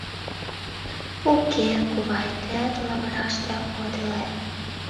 Уке, кувай, тыят лавыраште от иле.